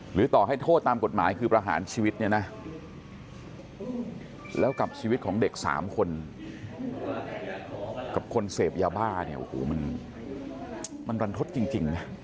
หรือต่อให้โทษตามกฎหมายคือประหารชีวิตเนี่ยนะแล้วกับชีวิตของเด็ก๓คนกับคนเสพยาบ้าเนี่ยโอ้โหมันรันทศจริงนะ